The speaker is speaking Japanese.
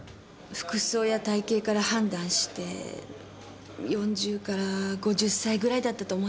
服装や体型から判断して４０から５０歳ぐらいだったと思います。